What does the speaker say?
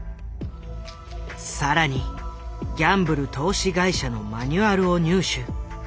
更にギャンブル投資会社のマニュアルを入手。